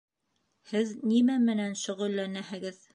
Һеҙ нимә менән шөғөлләнәһегеҙ?